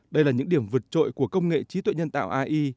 đây là những điểm vượt trội của công nghệ trí tuệ nhân tạo ai